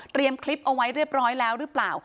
คลิปเอาไว้เรียบร้อยแล้วหรือเปล่า